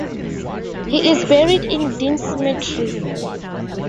He is buried in Dean Cemetery.